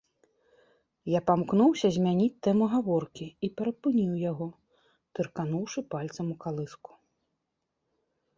Я памкнуўся змяніць тэму гаворкі і перапыніў яго, тыркануўшы пальцам у калыску.